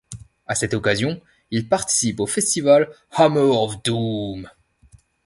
A cette occasion ils participent au festival Hammer of Doom.